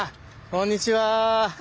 こんにちは。